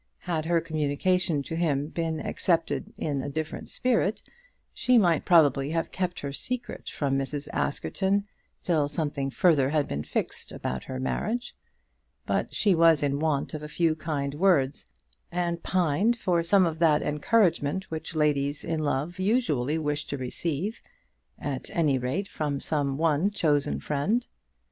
Had her communication to him been accepted in a different spirit, she might probably have kept her secret from Mrs. Askerton till something further had been fixed about her marriage; but she was in want of a few kind words, and pined for some of that encouragement which ladies in love usually wish to receive, at any rate from some one chosen friend.